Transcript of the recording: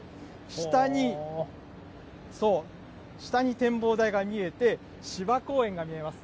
下に、そう、展望台が見えて、芝公園が見えます。